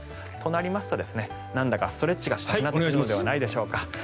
と、なりますとなんだかストレッチがしたくなるのではないでしょうか。